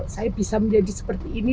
saya bisa menjadi seperti ini